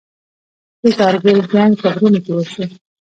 د کارګیل جنګ په غرونو کې وشو.